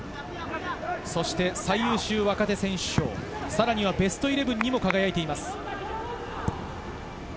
そして最優秀若手選手賞、さらにベストイレブンに輝いています。